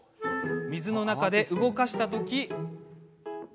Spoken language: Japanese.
水の中で動かした時に。